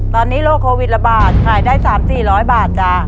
ตอนนี้โรคโควิดระบาทขายได้สามสี่ร้อยบาทจ้ะ